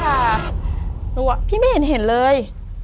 หนูว่าพี่ไม่เห็นเลย